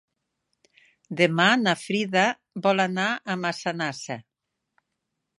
Demà na Frida vol anar a Massanassa.